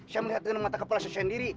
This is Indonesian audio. saya melihat dengan mata kepala saya sendiri